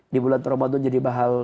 di bulan ramadan jadi mahal